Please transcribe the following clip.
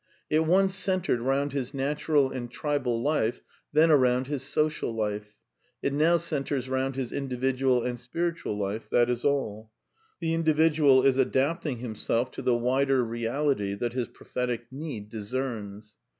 It once centred round his natural and tribal life, then around his social life. It now centres round his individual and spiritual life ; that is all. The individual is adapting himself to the wider reality that his prophetic need discerns.